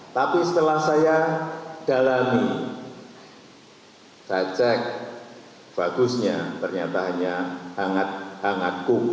tapi setelah saya dalami saya cek bagusnya ternyata hanya hangat hangat kuku